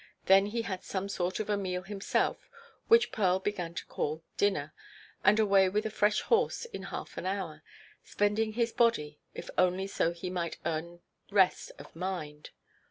Then he had some sort of a meal himself, which Pearl began to call "dinner," and away with a fresh horse in half an hour, spending his body if only so he might earn rest of mind.